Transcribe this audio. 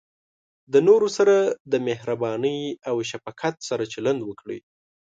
د نورو سره د مهربانۍ او شفقت سره چلند وکړئ.